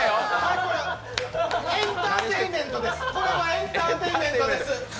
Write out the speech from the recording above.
エンターテインメントです。